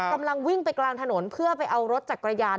กำลังวิ่งไปกลางถนนเพื่อไปเอารถจักรยาน